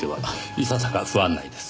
いささか不案内です。